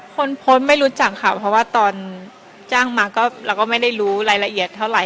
คนโพสต์ไม่รู้จักค่ะเพราะว่าตอนจ้างมาก็เราก็ไม่ได้รู้รายละเอียดเท่าไหร